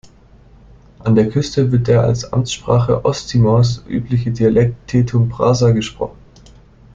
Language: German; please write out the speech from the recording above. An der Küste wird der als Amtssprache Osttimors übliche Dialekt Tetum Prasa gesprochen.